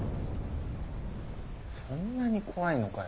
そんなに怖いのかよ